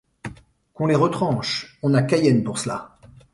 Qu'on les retranche. On a Cayenne pour cela.